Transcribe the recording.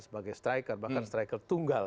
sebagai striker bahkan striker tunggal